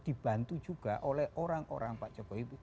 dibantu juga oleh orang orang pak jokowi itu